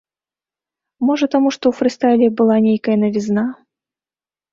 Можа таму, што ў фрыстайле была нейкая навізна.